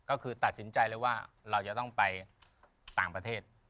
ก็คือตัดสินใจเลยว่าเราจะต้องไปต่างประเทศ